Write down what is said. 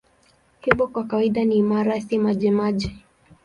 Hivyo kwa kawaida ni imara, si majimaji.